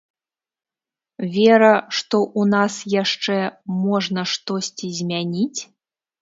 Вера, што ў нас яшчэ можна штосьці змяніць?